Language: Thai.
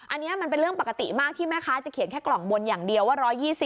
อันนี้มันเป็นเรื่องปกติมากที่แม่ค้าจะเขียนแค่กล่องบนอย่างเดียวว่า๑๒๐